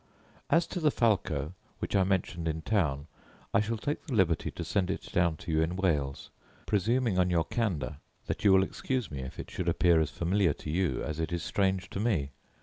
As to the falco, which I mentioned in town, I shall take the liberty to send it down to you into Wales; presuming on your candour, that you will excuse me if it should appear as familiar to you as it is strange to me.